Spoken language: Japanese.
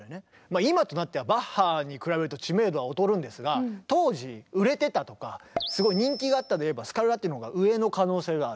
今となってはバッハに比べると知名度は劣るんですが当時売れてたとかすごい人気があったといえばスカルラッティのほうが上の可能性がある。